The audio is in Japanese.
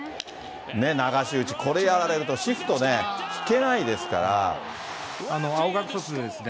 流し打ち、これやられると、シフトね、青学卒ですね。